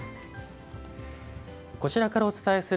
こちらからお伝えする